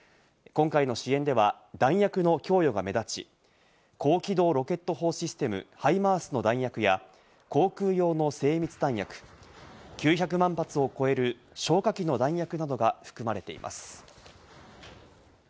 今回の支援では弾薬の供与が目立ち、高機動ロケット砲システム「ＨＩＭＡＲＳ」の弾薬や航空用の精密弾薬、９００万発を超える小火器の弾薬などが含まれています。